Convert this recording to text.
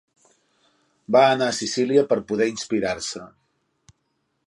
Va anar a Sicília per a poder inspirar-se.